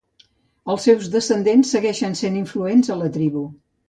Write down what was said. Els seus descendents segueixen ser influents a la tribu.